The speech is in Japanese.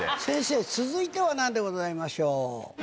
先生続いては何でございましょう？